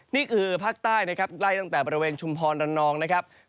นี่คือภาคใต้ใกล้ตั้งแต่ภาระวินชมพรรณองนะครับ